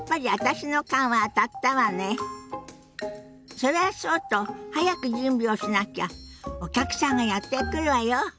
それはそうと早く準備をしなきゃお客さんがやって来るわよ。